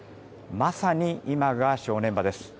まさに今が正念場です。